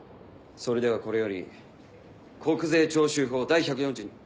・それではこれより国税徴収法第１４２。